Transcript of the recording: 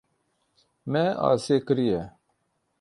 Me asê kiriye.